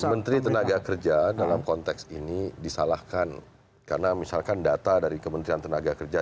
menteri tenaga kerja dalam konteks ini disalahkan karena misalkan data dari kementerian tenaga kerja